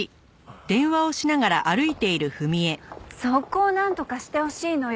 そこをなんとかしてほしいのよ。